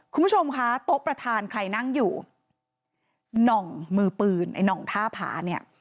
คุณผู้ชมคะโต๊ะประธานใครนั่งอยู่หน่องมือปืนไอ้หน่องท่าผาเนี่ย